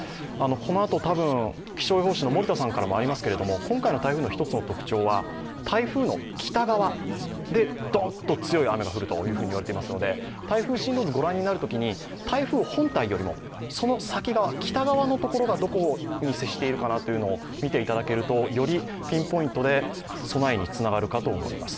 このあと多分気象予報士の森田さんからもあると思いますけど、今回の台風の特徴は台風の北側でどっと強い雨が降ると言われていますので、台風進路図ご覧になるときに台風本体よりも、その先が北側のところがどこに接しているのかなというのを見ていただけるとよりピンポイントで備えにつながるかと思います。